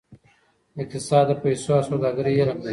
اقتصاد د پیسو او سوداګرۍ علم دی.